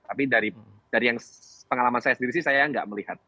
tapi dari yang pengalaman saya sendiri sih saya nggak melihat